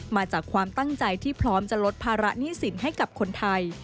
มาจากความตั้งใจที่พร้อมจะลดภาระหนี้สินให้กับคนไทย